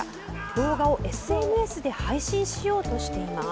動画をＳＮＳで配信しようとしています。